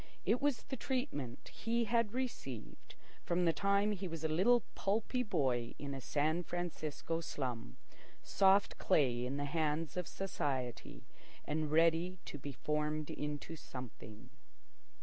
It was the treatment he had received from the time he was a little pulpy boy in a San Francisco slum—soft clay in the hands of society and ready to be formed into something.